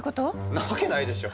んなわけないでしょ！